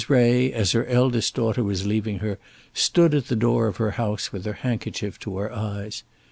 Ray, as her eldest daughter was leaving her, stood at the door of her house with her handkerchief to her eyes.